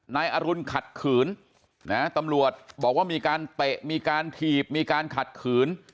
นายอรุณขัดขืนนะตำรวจบอกว่ามีการเตะมีการถีบมีการขัดขืน